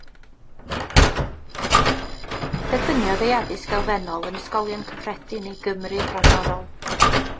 Derbyniodd ei addysg elfennol yn ysgolion cyffredin ei Gymru frodorol.